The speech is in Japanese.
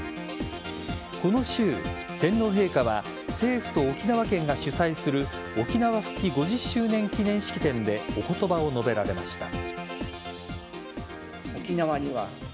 この週、天皇陛下は政府と沖縄県が主催する沖縄復帰５０周年記念式典でおことばを述べられました。